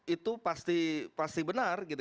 itu pasti benar